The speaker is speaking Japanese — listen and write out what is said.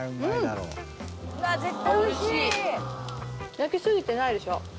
焼き過ぎてないでしょ？